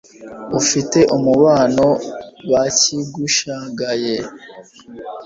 ufite umubano bacyigushagaye